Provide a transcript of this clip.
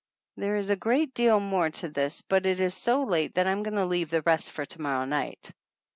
There is a great deal more to this, but it is so late that I'm going to leave the rest for to morrow night.